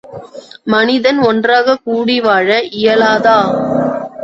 மனிதன் ஒன்றாகக் கூடி வாழ இயலாதா?